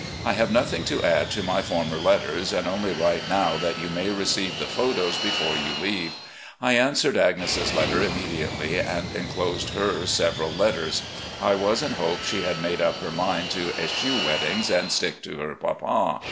I have nothing to add to my former letters, and only write now that you may receive the photos before you leave. I answered Agnes' letter immediately, and inclosed her several letters. I was in hopes she had made up her mind to eschew weddings and stick to her papa.